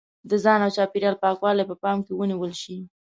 د ځان او چاپېریال پاکوالی په پام کې ونیول شي.